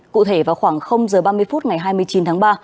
cụ thể vào khoảng h ba mươi phút ngày hai mươi chín tháng ba